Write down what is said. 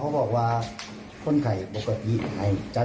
เพราะว่าไม่คำพาพูดอย่างนั้น